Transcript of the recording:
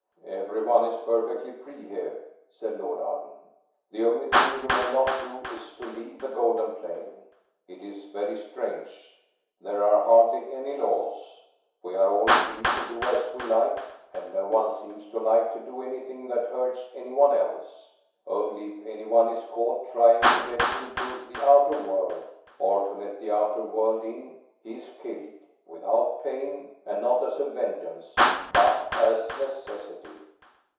"Every one is perfectly free here," said Lord Arden. "The only thing you may not do is to leave the golden plain. It is very strange. There are hardly any laws. We are all free to do as we like, and no one seems to like to do anything that hurts any one else. Only if any one is caught trying to get into the outer world, or to let the outer world in, he is killed–without pain, and not as vengeance but as necessity."